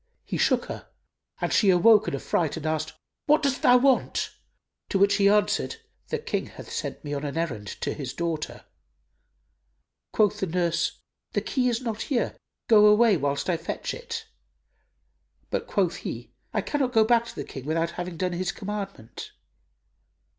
He shook her, and she awoke in affright and asked, "What dost thou want?"; to which he answered, "The King hath sent me on an errand to his daughter." Quoth the nurse, "The key is not here, go away, whilst I fetch it;" but quoth he, "I cannot go back to the King without having done his commandment."